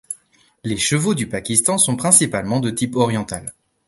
Les chevaux du Pakistan sont principalement de type oriental.